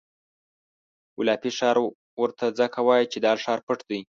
ګلابي ښار ورته ځکه وایي چې دا ښار پټ دی.